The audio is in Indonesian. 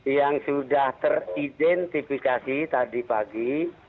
yang sudah teridentifikasi tadi pagi